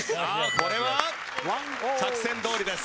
これは作戦どおりです。